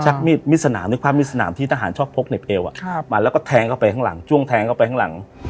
ชักมีดมิสนามนึกภาพมิสนามที่ทหารชอบพกเน็บเอวอ่ะครับมาแล้วก็แทงเข้าไปข้างหลัง